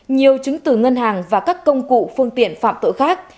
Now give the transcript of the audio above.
nhiều chứng từ ngân hàng và các công cụ phương tiện phạm tội khác